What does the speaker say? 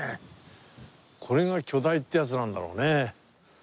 これが巨大ってやつなんだろうね。